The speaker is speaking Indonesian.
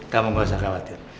kamu gak usah khawatir